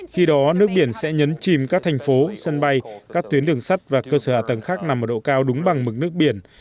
khi đó nước biển sẽ nhấn chìm các thành phố sân bay các tuyến đường sắt và cơ sở hạ tầng khác nằm ở độ cao đúng bằng mực nước biển